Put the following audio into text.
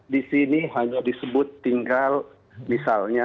di sini hanya disebut tinggal misalnya